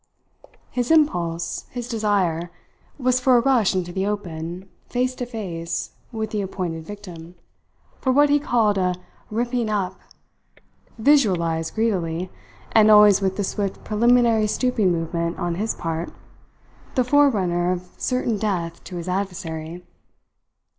His impulse, his desire, was for a rush into the open, face to face with the appointed victim, for what he called a "ripping up," visualized greedily, and always with the swift preliminary stooping movement on his part the forerunner of certain death to his adversary.